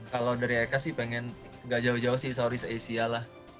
kalau dari eka sih pengen gak jauh jauh sih soris asia lah